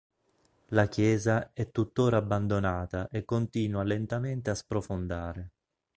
La chiesa è tuttora abbandonata e continua lentamente a sprofondare.